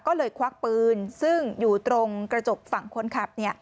ก็เลยควักปืนซึ่งอยู่ตรงกระจกฝั่งคนขับ